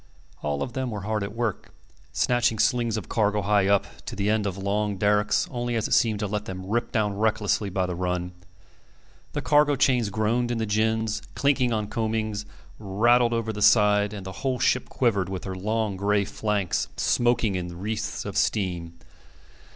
All of them were hard at work, snatching slings of cargo, high up, to the end of long derricks, only, as it seemed, to let them rip down recklessly by the run. The cargo chains groaned in the gins, clinked on coamings, rattled over the side; and the whole ship quivered, with her long gray flanks smoking in wreaths of steam.